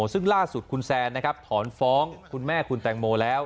ซึ่งล่าสุดคุณแซนนะครับถอนฟ้องคุณแม่คุณแตงโมแล้ว